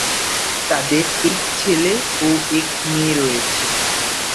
তাদের এক ছেলে ও এক মেয়ে রয়েছে।